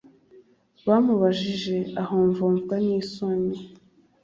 Bamubajije ahomvomvywa n’isoni